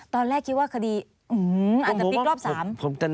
ตอนแรกคิดว่าคดีอาจจะพลิกรอบ๓